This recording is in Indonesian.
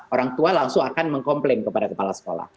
orang tua langsung akan mengkomplain kepada kepala sekolah